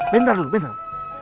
bentar dulu bentar